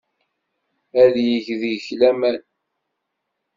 Ad yeg deg-k laman.